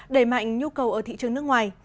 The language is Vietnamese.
đẩy mạnh nhu cầu ở thị trường nước ngoài